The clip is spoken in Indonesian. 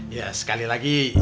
ya sekali lagi